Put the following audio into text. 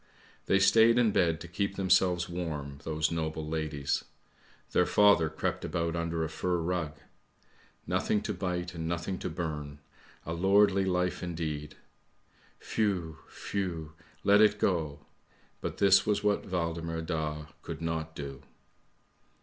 They stayed in bed to keep themselves warm, those noble ladies. Their father crept about under a fur rug. Nothing to bite, and nothing to burn ; a lordly life indeed ! Whew! whew! let it go! But this was what Waldemar Daa could not do.